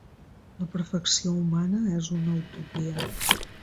La perfecció humana és una utopia.